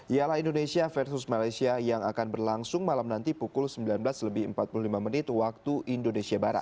ialah indonesia versus malaysia yang akan berlangsung malam nanti pukul sembilan belas lebih empat puluh lima menit waktu indonesia barat